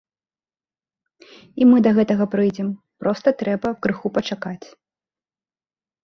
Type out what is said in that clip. І мы да гэтага прыйдзем, проста трэба крыху пачакаць.